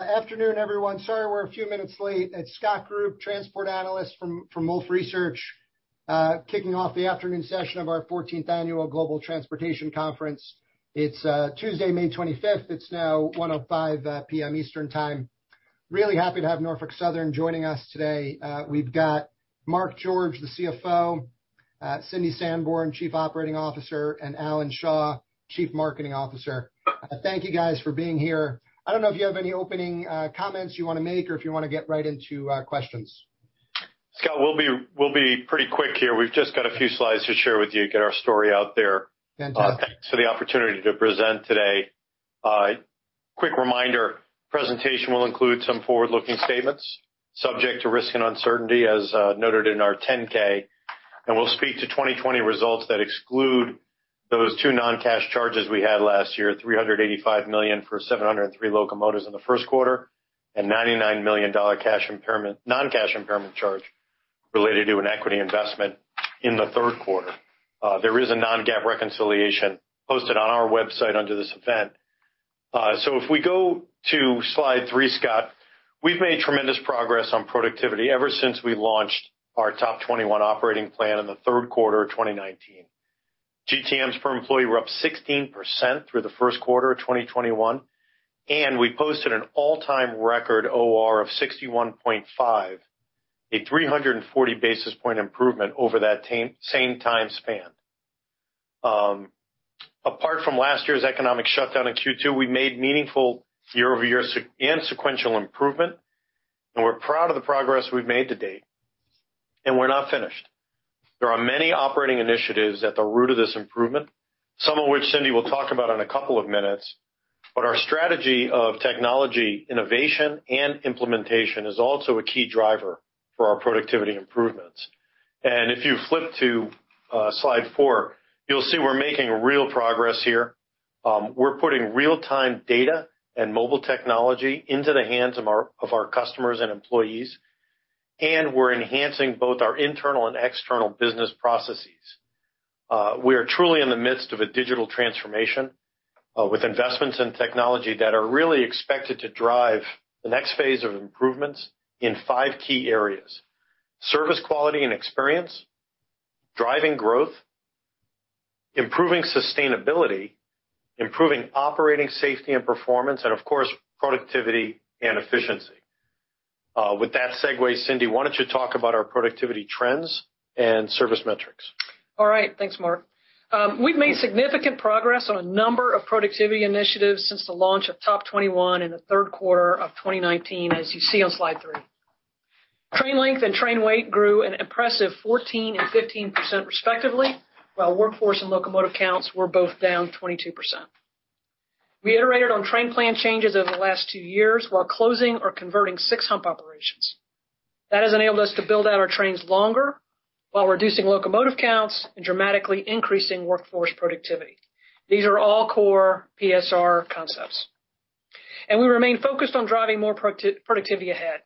Afternoon, everyone. Sorry we're a few minutes late. It's Scott Group, transport analyst from Wolfe Research, kicking off the afternoon session of our 14th annual Global Transportation Conference. It's Tuesday, May 25th. It's now 1:05 P.M. Eastern Time. Really happy to have Norfolk Southern joining us today. We've got Mark George, the CFO; Cindy Sanborn, Chief Operating Officer; and Alan Shaw, Chief Marketing Officer. Thank you, guys, for being here. I don't know if you have any opening comments you want to make or if you want to get right into questions. Scott, we'll be pretty quick here. We've just got a few slides to share with you to get our story out there. Fantastic. Thanks for the opportunity to present today. Quick reminder, presentation will include some forward-looking statements subject to risk and uncertainty, as noted in our 10-K. We'll speak to 2020 results that exclude those two non-cash charges we had last year: $385 million for 703 locomotives in the first quarter and a $99 million non-cash impairment charge related to an equity investment in the third quarter. There is a non-GAAP reconciliation posted on our website under this event. If we go to slide three, Scott, we've made tremendous progress on productivity ever since we launched our Top 21 Operating Plan in the third quarter of 2019. GTMs per employee were up 16% through the first quarter of 2021. We posted an all-time record OR of 61.5, a 340 basis point improvement over that same time span. Apart from last year's economic shutdown in Q2, we made meaningful year-over-year and sequential improvement. We are proud of the progress we have made to date. We are not finished. There are many operating initiatives at the root of this improvement, some of which Cindy will talk about in a couple of minutes. Our strategy of technology innovation and implementation is also a key driver for our productivity improvements. If you flip to slide four, you will see we are making real progress here. We are putting real-time data and mobile technology into the hands of our customers and employees. We are enhancing both our internal and external business processes. We are truly in the midst of a digital transformation with investments in technology that are really expected to drive the next phase of improvements in five key areas: service quality and experience, driving growth, improving sustainability, improving operating safety and performance, and, of course, productivity and efficiency. With that segue, Cindy, why don't you talk about our productivity trends and service metrics? All right. Thanks, Mark. We've made significant progress on a number of productivity initiatives since the launch of Top 21 in the third quarter of 2019, as you see on slide three. Train length and train weight grew an impressive 14% and 15% respectively, while workforce and locomotive counts were both down 22%. We iterated on train plan changes over the last two years while closing or converting six hump operations. That has enabled us to build out our trains longer while reducing locomotive counts and dramatically increasing workforce productivity. These are all core PSR concepts. We remain focused on driving more productivity ahead.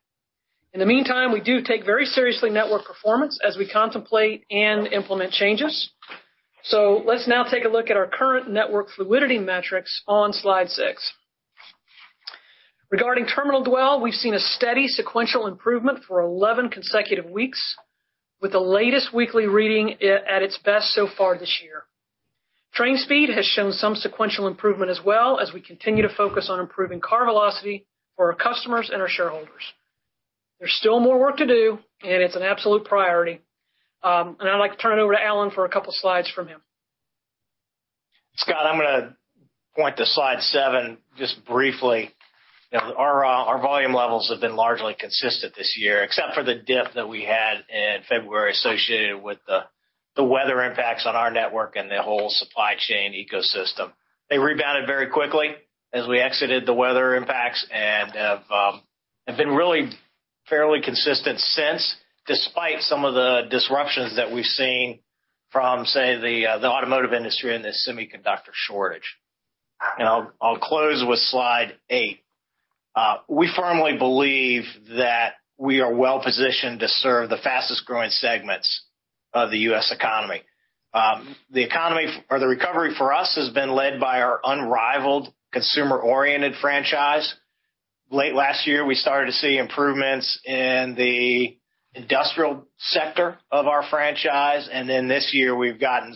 In the meantime, we do take very seriously network performance as we contemplate and implement changes. Let's now take a look at our current network fluidity metrics on slide six. Regarding terminal dwell, we've seen a steady sequential improvement for 11 consecutive weeks, with the latest weekly reading at its best so far this year. Train speed has shown some sequential improvement as well, as we continue to focus on improving car velocity for our customers and our shareholders. There's still more work to do, and it's an absolute priority. I'd like to turn it over to Alan for a couple of slides from him. Scott, I'm going to point to slide seven just briefly. Our volume levels have been largely consistent this year, except for the dip that we had in February associated with the weather impacts on our network and the whole supply chain ecosystem. They rebounded very quickly as we exited the weather impacts and have been really fairly consistent since, despite some of the disruptions that we've seen from, say, the automotive industry and the semiconductor shortage. I'll close with slide eight. We firmly believe that we are well positioned to serve the fastest-growing segments of the U.S. economy. The economy or the recovery for us has been led by our unrivaled consumer-oriented franchise. Late last year, we started to see improvements in the industrial sector of our franchise. This year, we've gotten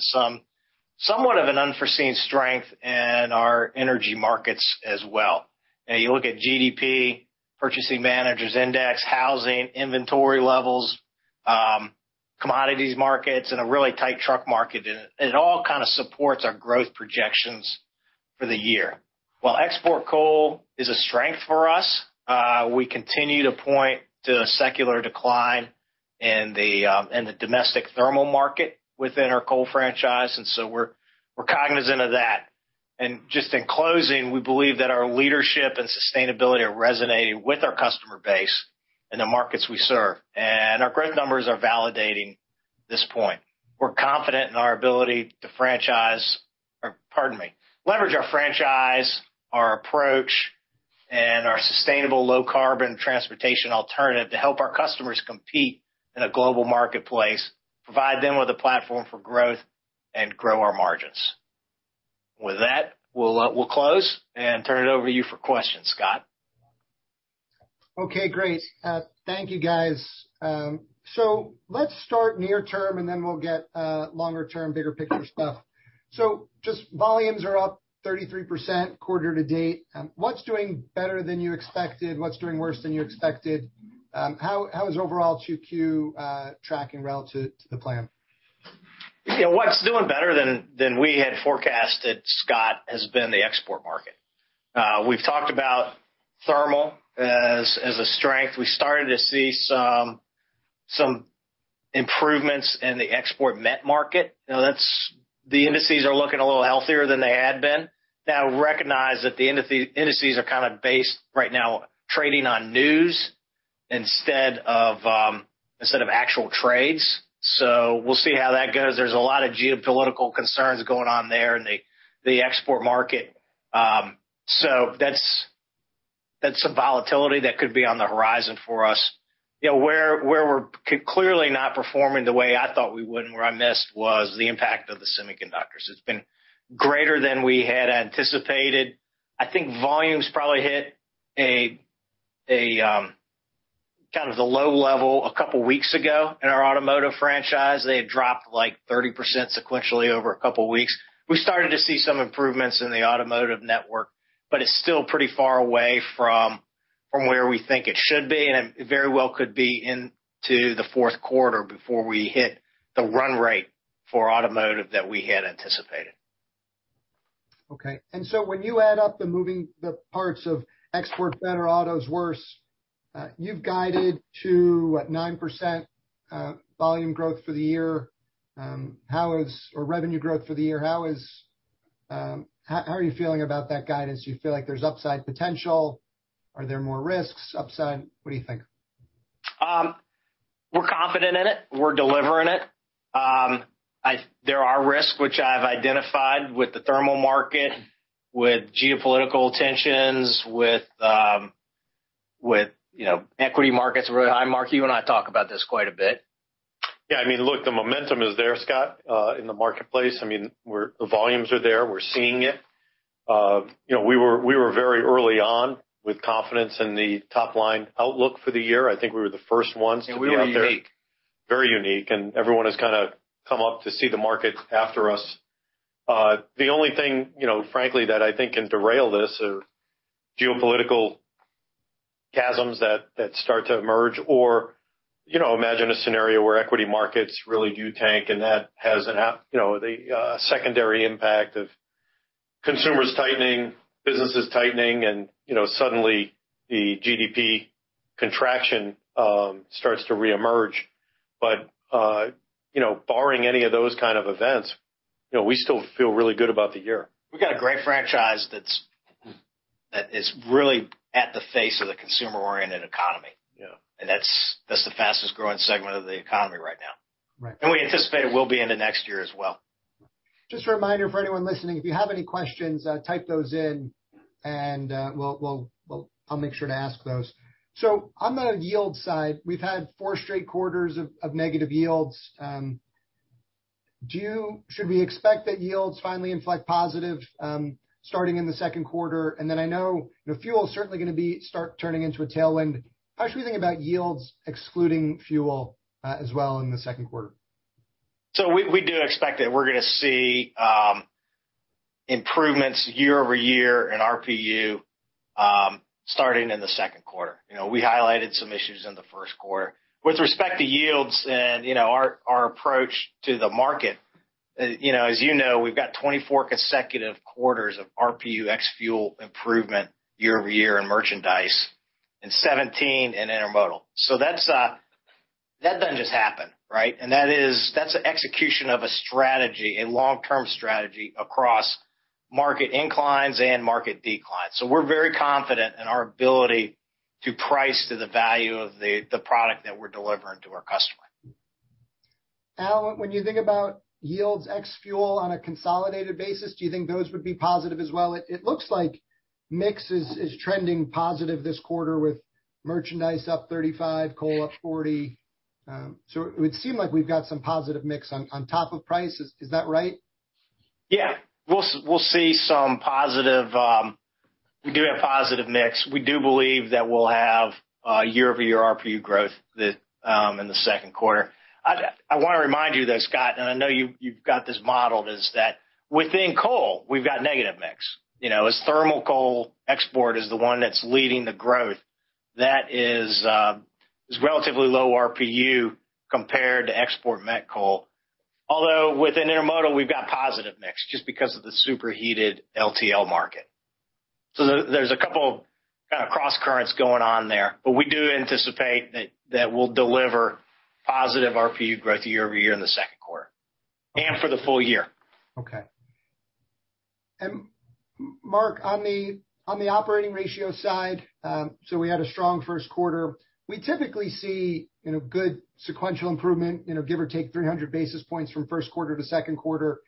somewhat of an unforeseen strength in our energy markets as well. You look at GDP, Purchasing Managers' Index, housing, inventory levels, commodities markets, and a really tight truck market. It all kind of supports our growth projections for the year. While export coal is a strength for us, we continue to point to a secular decline in the domestic thermal market within our coal franchise. We are cognizant of that. Just in closing, we believe that our leadership and sustainability are resonating with our customer base and the markets we serve. Our growth numbers are validating this point. We are confident in our ability to leverage our franchise, our approach, and our sustainable low-carbon transportation alternative to help our customers compete in a global marketplace, provide them with a platform for growth, and grow our margins. With that, we will close and turn it over to you for questions, Scott. Okay. Great. Thank you, guys. Let's start near-term, and then we'll get longer-term, bigger-picture stuff. Just volumes are up 33% quarter to date. What's doing better than you expected? What's doing worse than you expected? How is overall QQ tracking relative to the plan? Yeah. What's doing better than we had forecasted, Scott, has been the export market. We've talked about thermal as a strength. We started to see some improvements in the export net market. The indices are looking a little healthier than they had been. Now, recognize that the indices are kind of based right now trading on news instead of actual trades. We'll see how that goes. There's a lot of geopolitical concerns going on there in the export market. That's some volatility that could be on the horizon for us. Where we're clearly not performing the way I thought we would and where I missed was the impact of the semiconductors. It's been greater than we had anticipated. I think volumes probably hit kind of the low level a couple of weeks ago in our automotive franchise. They had dropped like 30% sequentially over a couple of weeks. We started to see some improvements in the automotive network, but it's still pretty far away from where we think it should be. It very well could be into the fourth quarter before we hit the run rate for automotive that we had anticipated. Okay. When you add up the parts of export better, autos worse, you've guided to 9% volume growth for the year. How is or revenue growth for the year? How are you feeling about that guidance? Do you feel like there's upside potential? Are there more risks? What do you think? We're confident in it. We're delivering it. There are risks which I've identified with the thermal market, with geopolitical tensions, with equity markets. I mean, Mark, you and I talk about this quite a bit. Yeah. I mean, look, the momentum is there, Scott, in the marketplace. I mean, the volumes are there. We're seeing it. We were very early on with confidence in the top-line outlook for the year. I think we were the first ones to get out there. Yeah. We were unique. Very unique. Everyone has kind of come up to see the market after us. The only thing, frankly, that I think can derail this are geopolitical chasms that start to emerge. Imagine a scenario where equity markets really do tank, and that has the secondary impact of consumers tightening, businesses tightening, and suddenly the GDP contraction starts to reemerge. Barring any of those kind of events, we still feel really good about the year. We've got a great franchise that is really at the face of the consumer-oriented economy. That is the fastest-growing segment of the economy right now. We anticipate it will be into next year as well. Just a reminder for anyone listening, if you have any questions, type those in, and I'll make sure to ask those. On the yield side, we've had four straight quarters of negative yields. Should we expect that yields finally inflect positive starting in the second quarter? I know fuel is certainly going to start turning into a tailwind. How should we think about yields excluding fuel as well in the second quarter? We do expect that we're going to see improvements year over year in RPU starting in the second quarter. We highlighted some issues in the first quarter. With respect to yields and our approach to the market, as you know, we've got 24 consecutive quarters of RPU ex-fuel improvement year over year in merchandise and 17 in intermodal. That doesn't just happen, right? That's an execution of a strategy, a long-term strategy across market inclines and market declines. We're very confident in our ability to price to the value of the product that we're delivering to our customer. Alan, when you think about yields ex-fuel on a consolidated basis, do you think those would be positive as well? It looks like mix is trending positive this quarter with merchandise up 35%, coal up 40%. It would seem like we have some positive mix on top of price. Is that right? Yeah. We'll see some positive. We do have positive mix. We do believe that we'll have year-over-year RPU growth in the second quarter. I want to remind you, though, Scott, and I know you've got this modeled, is that within coal, we've got negative mix. As thermal coal export is the one that's leading the growth, that is relatively low RPU compared to export met coal. Although within intermodal, we've got positive mix just because of the superheated LTL market. There are a couple of kind of cross currents going on there. We do anticipate that we'll deliver positive RPU growth year over year in the second quarter and for the full year. Okay. Mark, on the operating ratio side, we had a strong first quarter. We typically see good sequential improvement, give or take 300 basis points from first quarter to second quarter.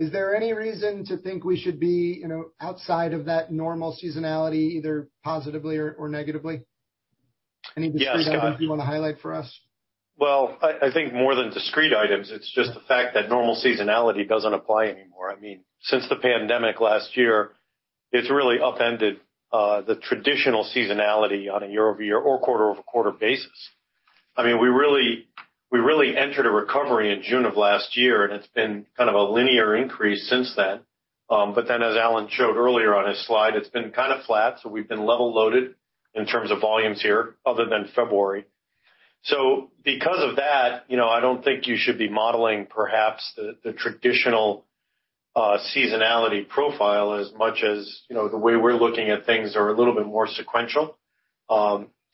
Is there any reason to think we should be outside of that normal seasonality, either positively or negatively? Any discreet items you want to highlight for us? I think more than discreet items, it's just the fact that normal seasonality doesn't apply anymore. I mean, since the pandemic last year, it's really upended the traditional seasonality on a year-over-year or quarter-over-quarter basis. I mean, we really entered a recovery in June of last year, and it's been kind of a linear increase since then. As Alan showed earlier on his slide, it's been kind of flat. We have been level loaded in terms of volumes here other than February. Because of that, I don't think you should be modeling perhaps the traditional seasonality profile as much as the way we're looking at things that are a little bit more sequential.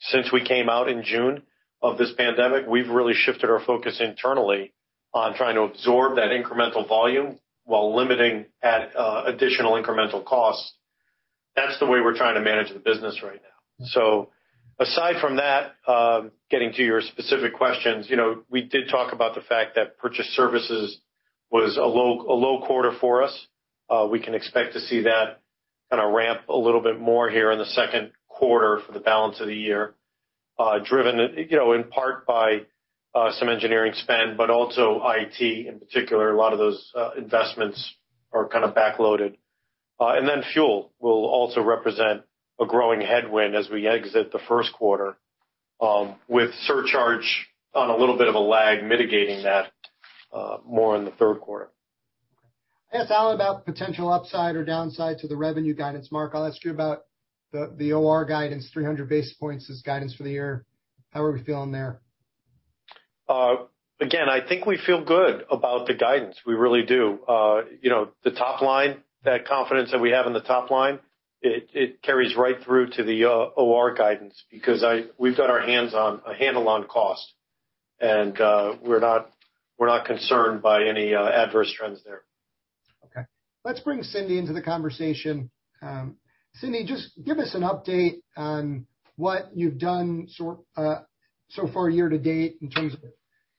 Since we came out in June of this pandemic, we've really shifted our focus internally on trying to absorb that incremental volume while limiting additional incremental costs. That's the way we're trying to manage the business right now. Aside from that, getting to your specific questions, we did talk about the fact that purchase services was a low quarter for us. We can expect to see that kind of ramp a little bit more here in the second quarter for the balance of the year, driven in part by some engineering spend, but also IT in particular. A lot of those investments are kind of backloaded. Fuel will also represent a growing headwind as we exit the first quarter, with surcharge on a little bit of a lag mitigating that more in the third quarter. Okay. I asked Alan about potential upside or downside to the revenue guidance. Mark, I'll ask you about the OR guidance, 300 basis points as guidance for the year. How are we feeling there? Again, I think we feel good about the guidance. We really do. The top line, that confidence that we have in the top line, it carries right through to the OR guidance because we've got our hands on a handle on cost. We're not concerned by any adverse trends there. Okay. Let's bring Cindy into the conversation. Cindy, just give us an update on what you've done so far year to date in terms of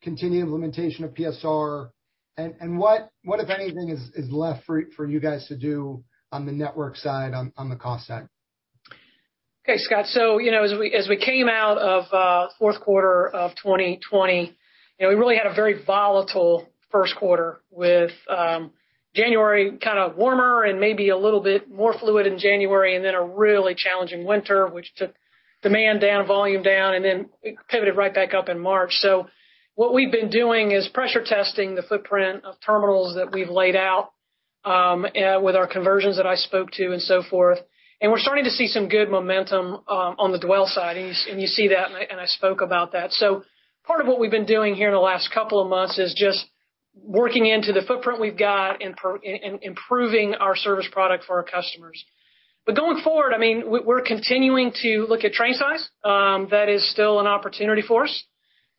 continued implementation of PSR and what, if anything, is left for you guys to do on the network side, on the cost side? Okay, Scott. As we came out of the fourth quarter of 2020, we really had a very volatile first quarter with January kind of warmer and maybe a little bit more fluid in January, and then a really challenging winter, which took demand down, volume down, and then pivoted right back up in March. What we've been doing is pressure testing the footprint of terminals that we've laid out with our conversions that I spoke to and so forth. We're starting to see some good momentum on the dwell side. You see that, and I spoke about that. Part of what we've been doing here in the last couple of months is just working into the footprint we've got and improving our service product for our customers. Going forward, I mean, we're continuing to look at train size. That is still an opportunity for us.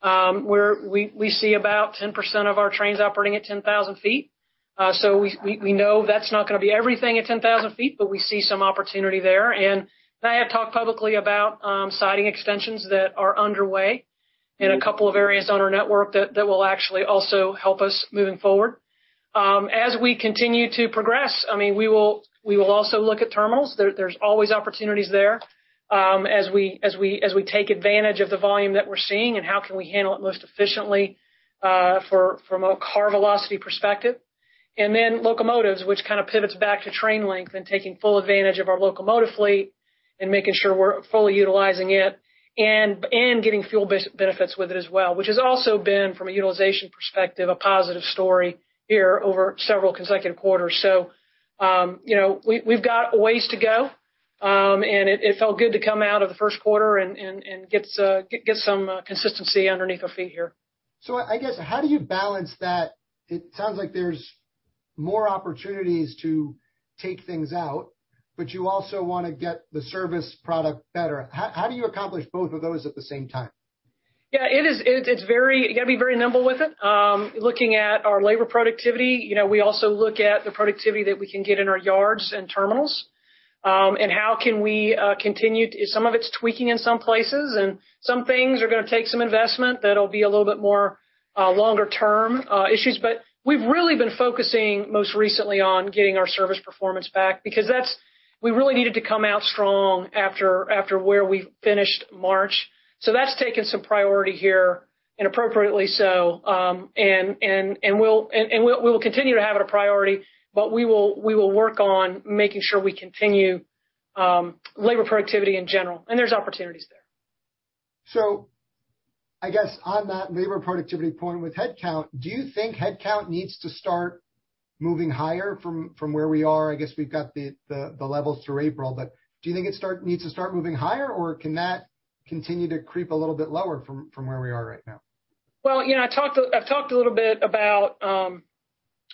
We see about 10% of our trains operating at 10,000 ft. We know that's not going to be everything at 10,000 ft, but we see some opportunity there. I have talked publicly about siding extensions that are underway in a couple of areas on our network that will actually also help us moving forward. As we continue to progress, I mean, we will also look at terminals. There's always opportunities there as we take advantage of the volume that we're seeing and how can we handle it most efficiently from a car velocity perspective. Locomotives, which kind of pivots back to train length and taking full advantage of our locomotive fleet and making sure we're fully utilizing it and getting fuel benefits with it as well, which has also been, from a utilization perspective, a positive story here over several consecutive quarters. We have a ways to go. It felt good to come out of the first quarter and get some consistency underneath our feet here. I guess, how do you balance that? It sounds like there's more opportunities to take things out, but you also want to get the service product better. How do you accomplish both of those at the same time? Yeah. You got to be very nimble with it. Looking at our labor productivity, we also look at the productivity that we can get in our yards and terminals and how can we continue? Some of it's tweaking in some places. Some things are going to take some investment that'll be a little bit more longer-term issues. We've really been focusing most recently on getting our service performance back because we really needed to come out strong after where we finished March. That's taken some priority here, inappropriately so. We'll continue to have it a priority, but we will work on making sure we continue labor productivity in general. There's opportunities there. I guess on that labor productivity point with headcount, do you think headcount needs to start moving higher from where we are? I guess we've got the levels through April, but do you think it needs to start moving higher, or can that continue to creep a little bit lower from where we are right now? I've talked a little bit about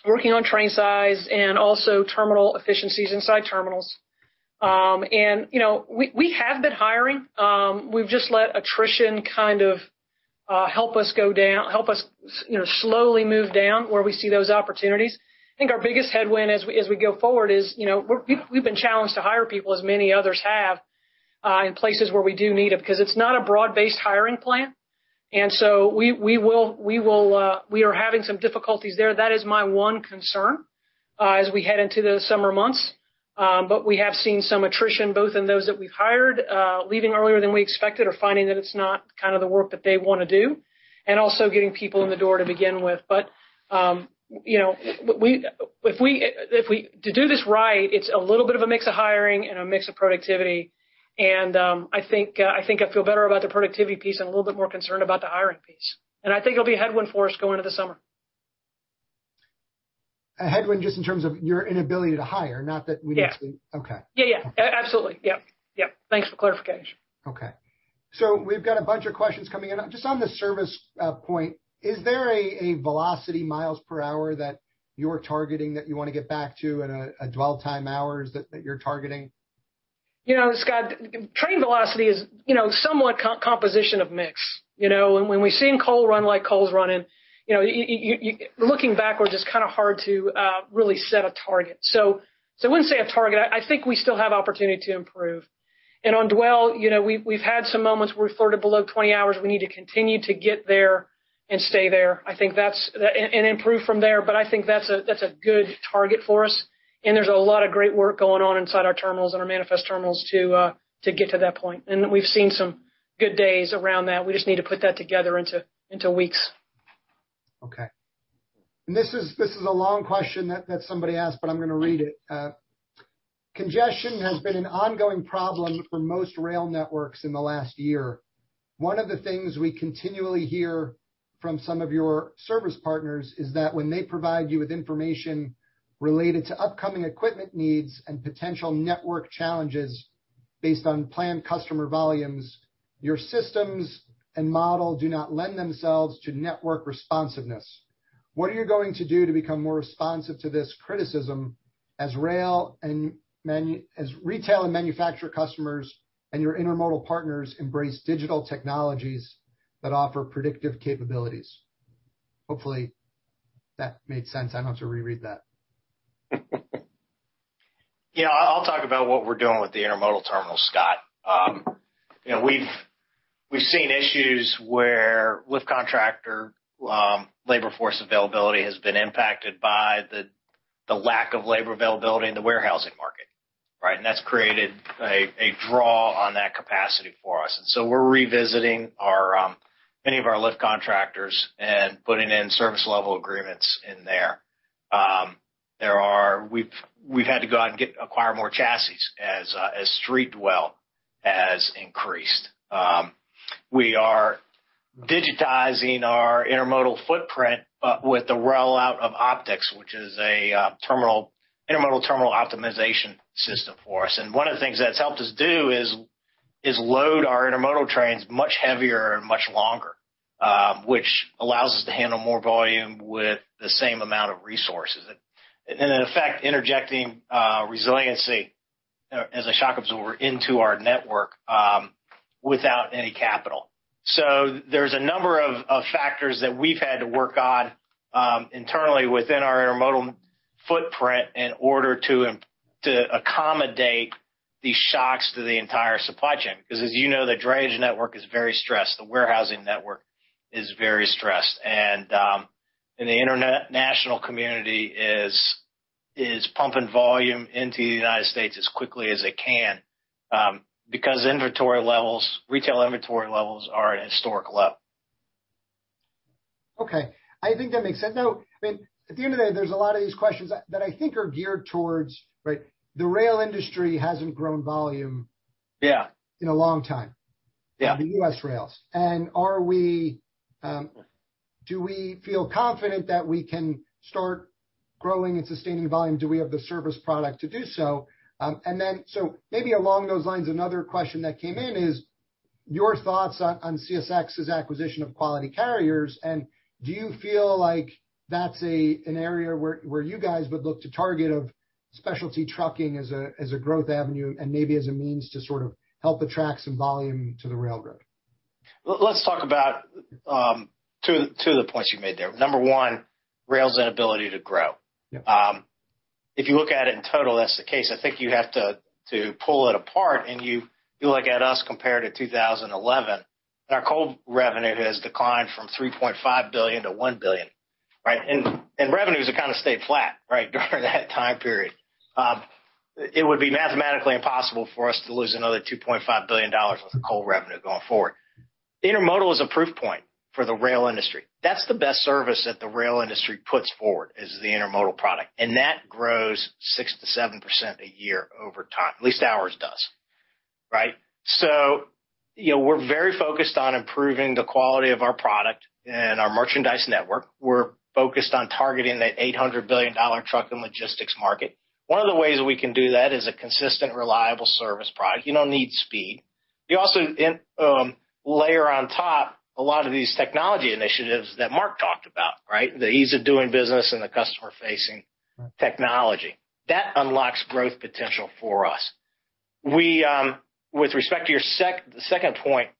working on train size and also terminal efficiencies inside terminals. We have been hiring. We've just let attrition kind of help us go down, help us slowly move down where we see those opportunities. I think our biggest headwind as we go forward is we've been challenged to hire people as many others have in places where we do need it because it's not a broad-based hiring plan. We are having some difficulties there. That is my one concern as we head into the summer months. We have seen some attrition both in those that we've hired leaving earlier than we expected or finding that it's not kind of the work that they want to do and also getting people in the door to begin with. If we do this right, it's a little bit of a mix of hiring and a mix of productivity. I think I feel better about the productivity piece and a little bit more concerned about the hiring piece. I think it'll be a headwind for us going into the summer. A headwind just in terms of your inability to hire, not that we need to. Yeah. Yeah. Yeah. Absolutely. Yep. Yep. Thanks for clarification. Okay. We've got a bunch of questions coming in. Just on the service point, is there a velocity miles per hour that you're targeting that you want to get back to and a dwell time hours that you're targeting? Scott, train velocity is somewhat composition of mix. When we've seen coal run like coal's running, looking backwards is kind of hard to really set a target. I wouldn't say a target. I think we still have opportunity to improve. On dwell, we've had some moments where we've flirted below 20 hours. We need to continue to get there and stay there and improve from there. I think that's a good target for us. There's a lot of great work going on inside our terminals and our manifest terminals to get to that point. We've seen some good days around that. We just need to put that together into weeks. Okay. This is a long question that somebody asked, but I'm going to read it. Congestion has been an ongoing problem for most rail networks in the last year. One of the things we continually hear from some of your service partners is that when they provide you with information related to upcoming equipment needs and potential network challenges based on planned customer volumes, your systems and model do not lend themselves to network responsiveness. What are you going to do to become more responsive to this criticism as retail and manufacturer customers and your intermodal partners embrace digital technologies that offer predictive capabilities? Hopefully, that made sense. I don't have to reread that. Yeah. I'll talk about what we're doing with the intermodal terminal, Scott. We've seen issues where lift contractor labor force availability has been impacted by the lack of labor availability in the warehousing market, right? That's created a draw on that capacity for us. We are revisiting many of our lift contractors and putting in service level agreements in there. We've had to go out and acquire more chassis as street dwell has increased. We are digitizing our intermodal footprint with the rollout of Optix, which is an intermodal terminal optimization system for us. One of the things that's helped us do is load our intermodal trains much heavier and much longer, which allows us to handle more volume with the same amount of resources. In effect, interjecting resiliency as a shock absorber into our network without any capital. There is a number of factors that we have had to work on internally within our intermodal footprint in order to accommodate the shocks to the entire supply chain. Because as you know, the drayage network is very stressed. The warehousing network is very stressed. And the international community is pumping volume into the United States as quickly as they can because retail inventory levels are at a historic level. Okay. I think that makes sense. Now, I mean, at the end of the day, there's a lot of these questions that I think are geared towards, right, the rail industry hasn't grown volume in a long time on the U.S. rails. Do we feel confident that we can start growing and sustaining volume? Do we have the service product to do so? Maybe along those lines, another question that came in is your thoughts on CSX's acquisition of Quality Carriers. Do you feel like that's an area where you guys would look to target, of specialty trucking as a growth avenue and maybe as a means to sort of help attract some volume to the railroad? Let's talk about two of the points you made there. Number one, rail's inability to grow. If you look at it in total, that's the case. I think you have to pull it apart. You look at us compared to 2011, and our coal revenue has declined from $3.5 billion to $1 billion, right? Revenues have kind of stayed flat, right, during that time period. It would be mathematically impossible for us to lose another $2.5 billion worth of coal revenue going forward. Intermodal is a proof point for the rail industry. That's the best service that the rail industry puts forward is the intermodal product. That grows 6%-7% a year over time. At least ours does, right? We are very focused on improving the quality of our product and our merchandise network. We are focused on targeting that $800 billion truck and logistics market. One of the ways we can do that is a consistent, reliable service product. You do not need speed. You also layer on top a lot of these technology initiatives that Mark talked about, right, the ease of doing business and the customer-facing technology. That unlocks growth potential for us. With respect to your second point,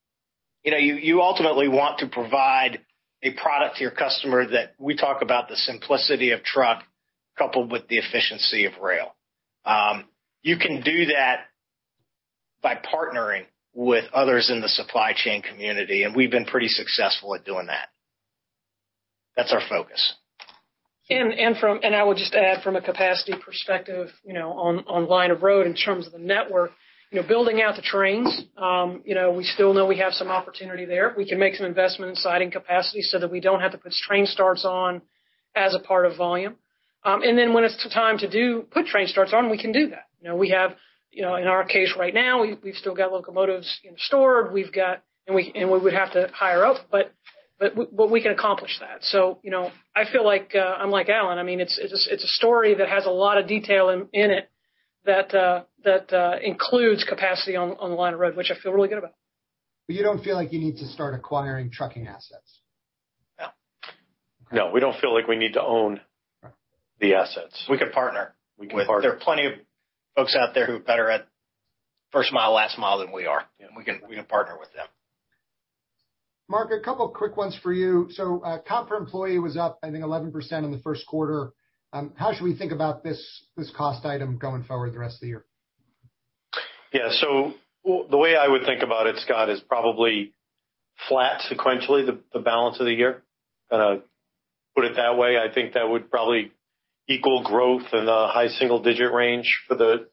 you ultimately want to provide a product to your customer that we talk about the simplicity of truck coupled with the efficiency of rail. You can do that by partnering with others in the supply chain community. We have been pretty successful at doing that. That is our focus. I will just add from a capacity perspective on line of road in terms of the network, building out the trains, we still know we have some opportunity there. We can make some investment in siding capacity so that we do not have to put train starts on as a part of volume. When it is time to put train starts on, we can do that. We have, in our case right now, we have still got locomotives stored. We would have to hire up, but we can accomplish that. I feel like I am like Alan. I mean, it is a story that has a lot of detail in it that includes capacity on the line of road, which I feel really good about. You don't feel like you need to start acquiring trucking assets? No. No. We do not feel like we need to own the assets. We can partner. We can partner. There are plenty of folks out there who are better at first mile, last mile than we are. We can partner with them. Mark, a couple of quick ones for you. Copper employee was up, I think, 11% in the first quarter. How should we think about this cost item going forward the rest of the year? Yeah. The way I would think about it, Scott, is probably flat sequentially, the balance of the year. Kind of put it that way. I think that would probably equal growth in the high single-digit range for the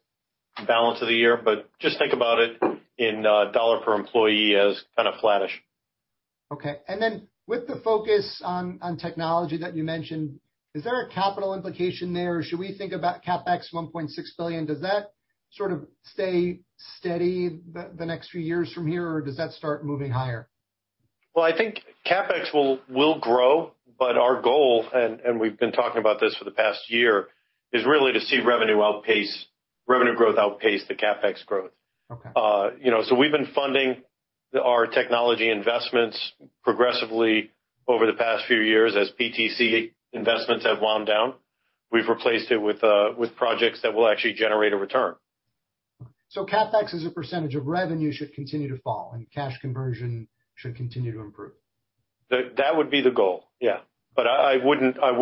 balance of the year. Just think about it in dollar per employee as kind of flattish. Okay. With the focus on technology that you mentioned, is there a capital implication there? Should we think about CapEx $1.6 billion? Does that sort of stay steady the next few years from here, or does that start moving higher? I think CapEx will grow, but our goal—and we've been talking about this for the past year—is really to see revenue growth outpace the CapEx growth. We have been funding our technology investments progressively over the past few years as PTC investments have wound down. We have replaced it with projects that will actually generate a return. CapEx as a percentage of revenue should continue to fall, and cash conversion should continue to improve? That would be the goal. Yeah. I would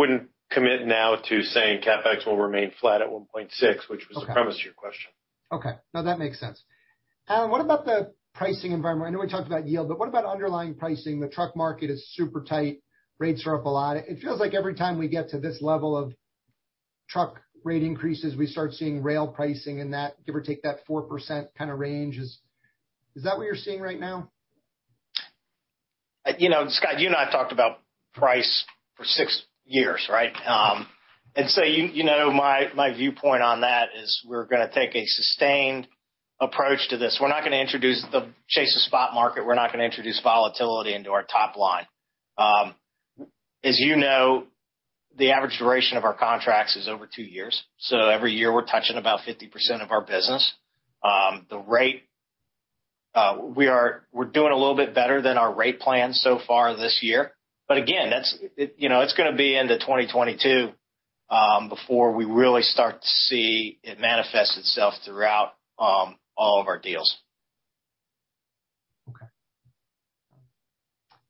not commit now to saying CapEx will remain flat at $1.6 billion, which was the premise of your question. Okay. No, that makes sense. Alan, what about the pricing environment? I know we talked about yield, but what about underlying pricing? The truck market is super tight. Rates are up a lot. It feels like every time we get to this level of truck rate increases, we start seeing rail pricing in that, give or take that 4% kind of range. Is that what you're seeing right now? Scott, you and I have talked about price for six years, right? My viewpoint on that is we're going to take a sustained approach to this. We're not going to introduce the chase of spot market. We're not going to introduce volatility into our top line. As you know, the average duration of our contracts is over two years. Every year, we're touching about 50% of our business. We're doing a little bit better than our rate plan so far this year. Again, it's going to be into 2022 before we really start to see it manifest itself throughout all of our deals. Okay.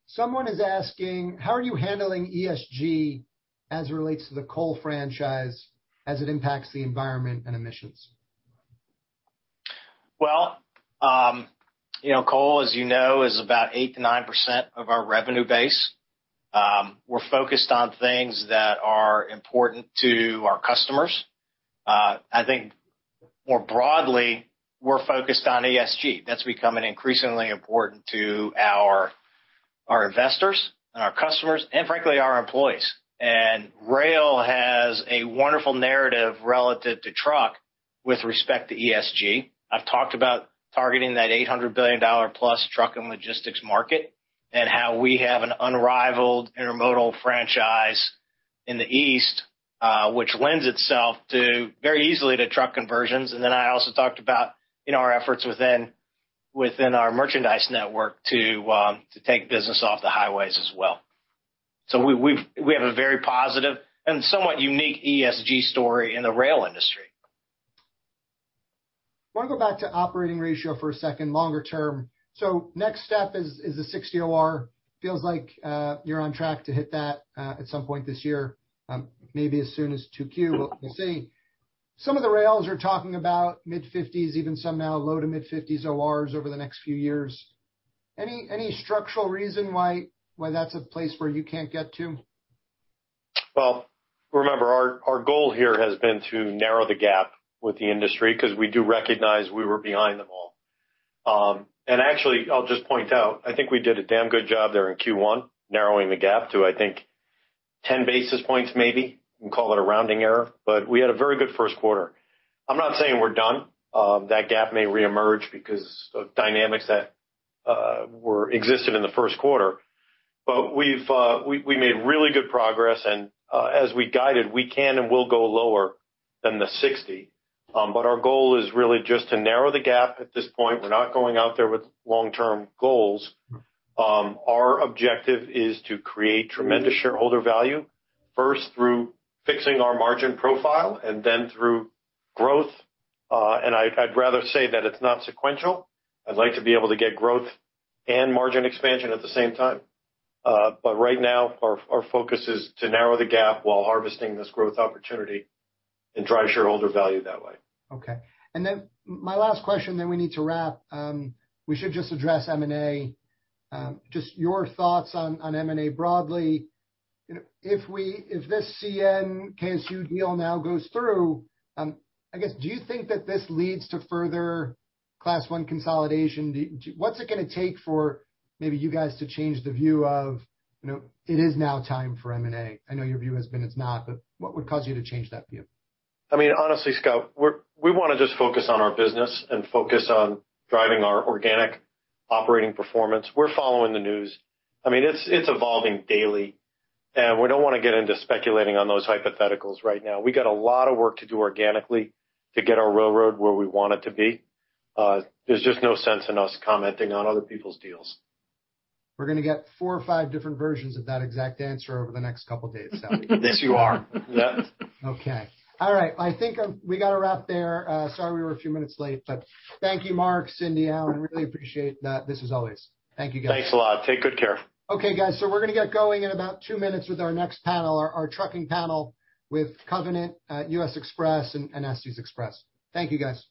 Someone is asking, how are you handling ESG as it relates to the coal franchise as it impacts the environment and emissions? Coal, as you know, is about 8%-9% of our revenue base. We're focused on things that are important to our customers. I think more broadly, we're focused on ESG. That's becoming increasingly important to our investors and our customers and, frankly, our employees. Rail has a wonderful narrative relative to truck with respect to ESG. I've talked about targeting that $800 billion-plus truck and logistics market and how we have an unrivaled intermodal franchise in the East, which lends itself very easily to truck conversions. I also talked about our efforts within our merchandise network to take business off the highways as well. We have a very positive and somewhat unique ESG story in the rail industry. I want to go back to operating ratio for a second, longer term. Next step is the 60 OR. Feels like you're on track to hit that at some point this year, maybe as soon as 2Q. We'll see. Some of the rails are talking about mid-50s, even some now, low to mid-50s ORs over the next few years. Any structural reason why that's a place where you can't get to? Remember, our goal here has been to narrow the gap with the industry because we do recognize we were behind them all. Actually, I'll just point out, I think we did a damn good job there in Q1 narrowing the gap to, I think, 10 basis points maybe. We can call it a rounding error. We had a very good first quarter. I'm not saying we're done. That gap may reemerge because of dynamics that existed in the first quarter. We made really good progress. As we guided, we can and will go lower than the 60. Our goal is really just to narrow the gap at this point. We're not going out there with long-term goals. Our objective is to create tremendous shareholder value first through fixing our margin profile and then through growth. I'd rather say that it's not sequential. I'd like to be able to get growth and margin expansion at the same time. Right now, our focus is to narrow the gap while harvesting this growth opportunity and drive shareholder value that way. Okay. My last question, then we need to wrap. We should just address M&A. Just your thoughts on M&A broadly. If this CN-KSU deal now goes through, I guess, do you think that this leads to further Class I consolidation? What's it going to take for maybe you guys to change the view of, "It is now time for M&A"? I know your view has been it's not, but what would cause you to change that view? I mean, honestly, Scott, we want to just focus on our business and focus on driving our organic operating performance. We're following the news. I mean, it's evolving daily. We don't want to get into speculating on those hypotheticals right now. We got a lot of work to do organically to get our railroad where we want it to be. There's just no sense in us commenting on other people's deals. We're going to get four or five different versions of that exact answer over the next couple of days. Yes, you are. Okay. All right. I think we got to wrap there. Sorry, we were a few minutes late. But thank you, Mark, Cindy, Alan. Really appreciate that. This is always. Thank you, guys. Thanks a lot. Take good care. Okay, guys. We are going to get going in about two minutes with our next panel, our trucking panel with Covenant, US Express, and Estes Express. Thank you, guys.